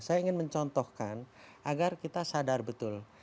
saya ingin mencontohkan agar kita sadar betul